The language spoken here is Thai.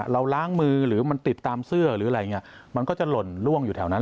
เราล้างมือหรือมันติดตามเสื้อมันก็จะหล่นล่วงอยู่แถวนั้น